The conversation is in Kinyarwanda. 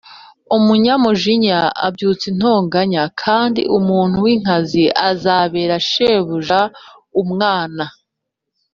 Umunyamujinya abyutsa intonganya kandi umuntu winkazi azabera shebuja umwana